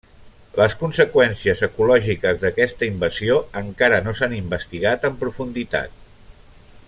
Les conseqüències ecològiques d'aquesta invasió encara no s'han investigat en profunditat.